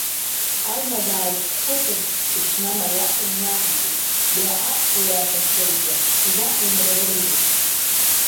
Алма дааиԥхьхәыцын, иҽнамариашаны инациҵеит, иара аԥсуа иашәа анцәырига изацимырӷызри!